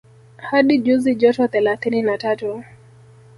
Hadi nyuzi joto thelathini na tatu